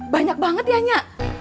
banyak banget ya nya